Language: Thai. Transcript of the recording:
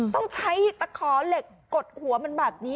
ต้องใช้ตะขอเหล็กกดหัวมันแบบนี้